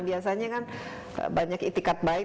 biasanya kan banyak itikat baik